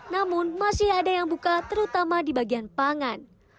namun masih ada yang buka terutama di bagian pangan